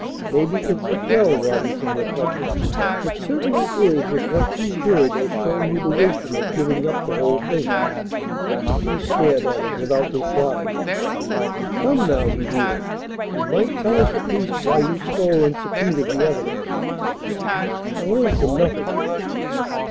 "Maybe it's as well," Robinson reflected. "It certainly is if what you heard has shown you the wisdom of giving up the whole thing." She stared at him without replying. "Come now," he wheedled. "You might tell us at least why you stole and secreted the evidence." "I'll answer nothing."